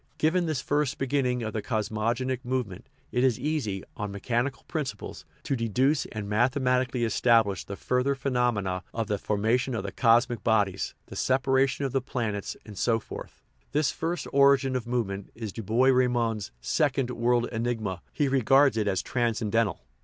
Given this " first beginning" of the cosmogonic movement, it is easy, on mechanical principles, to deduce and mathematically establish the further phenomena of the formation of the cosmic 240 THE EVOLUTION OF THE WORLD bodies, the separation of the planets, and so forth. This first "origin of movement "is Du Bois Reymond's second "world enigma"; he regards it as transcen dental.